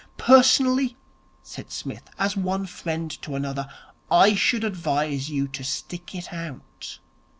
Personally,' said Psmith, as one friend to another, 'I should advise you to stick it out.